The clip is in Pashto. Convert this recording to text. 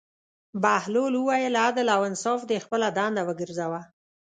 بهلول وویل: عدل او انصاف دې خپله دنده وګرځوه.